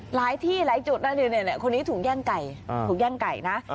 หลายที่หลายจุดนะคนนี้ถูกแย่งไก่ถูกแย่งไก่นะ